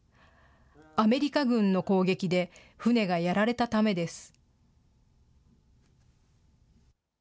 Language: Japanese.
アメリカ軍の攻撃で、船がやられたためです。